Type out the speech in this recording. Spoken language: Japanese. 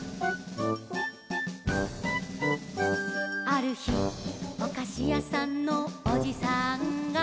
「あるひおかしやさんのおじさんが」